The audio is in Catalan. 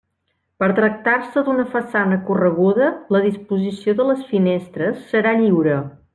Per tractar-se d'una façana correguda la disposició de les finestres serà lliure.